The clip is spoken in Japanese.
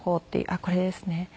あっこれですね。